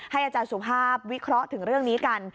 อาจารย์สุภาพวิเคราะห์ถึงเรื่องนี้กัน